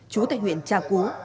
chú tại huyện tra cú